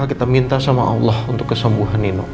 kita minta sama allah untuk kesembuhan nino